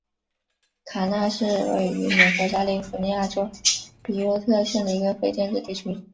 卡纳是位于美国加利福尼亚州比尤特县的一个非建制地区。